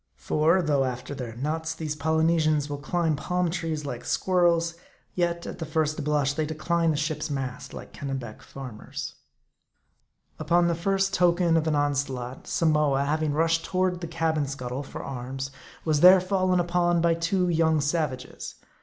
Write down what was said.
For though after their nuts these Polynesians will climb palm trees like squirrels ; yet, at the first blush, they decline a ship's mast like Kennebec farmers. M A R D I. 8SL Upon the first token of an onslaught, Samoa, having rushed toward the cabin scuttle for arms, was there fallen upon by two young savages.